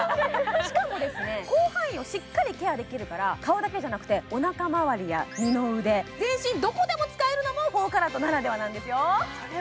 しかも広範囲をしっかりケアできるから、顔だけじゃなくておなか周りや二の腕、全身どこでも使えるのが４カラットならではですよ。